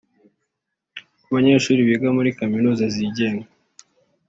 Ku banyeshuri biga muri kaminuza zigenga